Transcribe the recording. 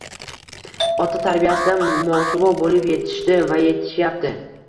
ota tarbiyasidan mosuvo bo‘lib yetishdi va yetishyapti.